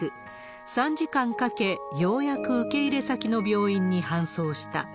３時間かけ、ようやく受け入れ先の病院に搬送した。